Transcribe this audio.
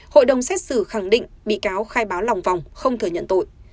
hội đồng xét xử khẳng định bị cáo khai báo lòng vòng không thừa nhận tội